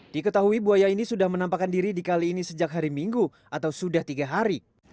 diketahui buaya ini sudah menampakkan diri di kali ini sejak hari minggu atau sudah tiga hari